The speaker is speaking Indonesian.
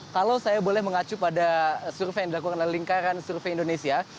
kalau saya boleh mengacu pada survei yang dilakukan oleh lingkaran survei indonesia